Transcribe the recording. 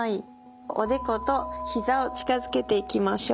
おでことひざを近づけていきましょう。